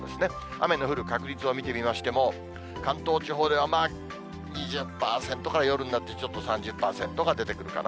雨の降る確率を見てみましても、関東地方では２０％から夜になってちょっと３０％が出てくるかな。